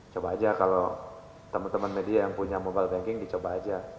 coba aja kalau teman teman media yang punya mobile banking dicoba aja